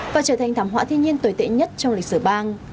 và trở thành thảm họa thiên nhiên tồi tệ nhất trong lịch sử bang